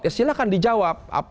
ya silahkan dijawab